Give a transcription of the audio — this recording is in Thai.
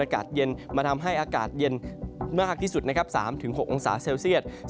อากาศเย็นมาทำให้อากาศเย็นมากที่สุดนะครับ๓๖องศาเซลเซียต